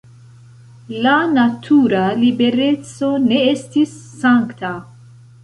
La natura libereco ne estis sankta.